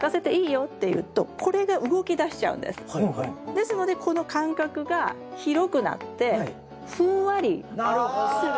ですのでこの間隔が広くなってふんわりする。